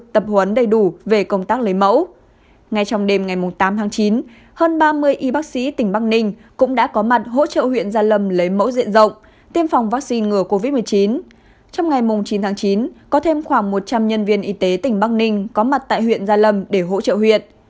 trong ngày chín chín có thêm khoảng một trăm linh nhân viên y tế tỉnh bắc ninh có mặt tại huyện gia lâm để hỗ trợ huyện